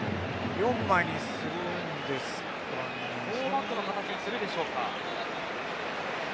４バックの形にするでしょうか。